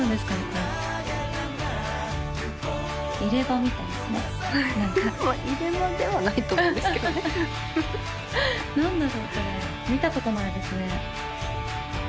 これ見たことないですね